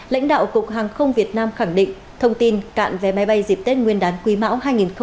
lãnh đạo cục hàng không việt nam khẳng định thông tin cạn vé máy bay dịp tết nguyên đán quý mão hai nghìn hai mươi bốn